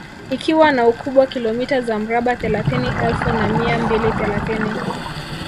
Ikiwa na ukubwa kilomita za mraba thelathini elfu na mia mbili thelathini